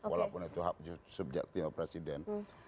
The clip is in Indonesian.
walaupun itu hak subjektinya presiden